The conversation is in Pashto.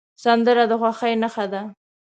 سندره د خوښۍ نښه ده